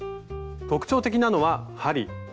特徴的なのは針。